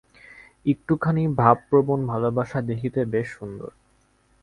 একটুখানি ভাবপ্রবণ ভালবাসা দেখিতে বেশ সুন্দর।